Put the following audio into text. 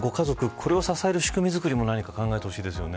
これを支える仕組み作りも考えてほしいですね。